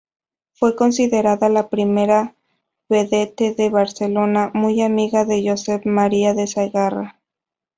Fue considerada la primera vedette de Barcelona, muy amiga de Josep María de Segarra.